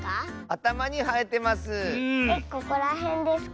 あたまにはえてます！